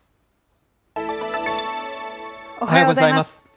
おはようございます。